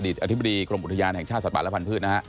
อธิบดีกรมอุทยานแห่งชาติสัตว์และพันธุ์นะฮะ